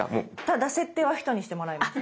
ただ設定は人にしてもらいました。